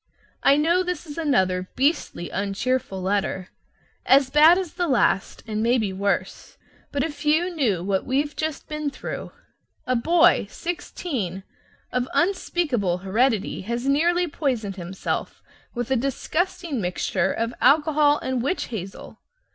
I know this is another beastly uncheerful letter, as bad as the last, and maybe worse, but if you knew what we've just been through! A boy sixteen of unspeakable heredity has nearly poisoned himself with a disgusting mixture of alcohol and witch hazel.